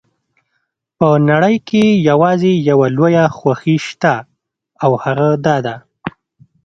په نړۍ کې یوازې یوه لویه خوښي شته او هغه دا ده.